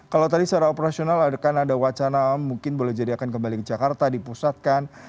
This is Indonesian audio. kalau tadi secara operasional ada kan ada wacana mungkin boleh jadi akan kembali ke jakarta dipusatkan